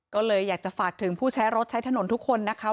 ก็เลยอยากจะฝากถึงผู้ใช้รถใช้ถนนทุกคนนะคะ